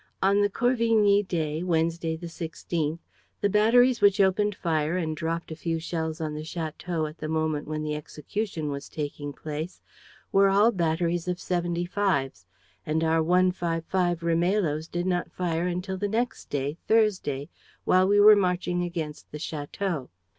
On the Corvigny day, Wednesday the sixteenth, the batteries which opened fire and dropped a few shells on the château at the moment when the execution was taking place were all batteries of seventy fives; and our one five five Rimailhos did not fire until the next day, Thursday, while we were marching against the château.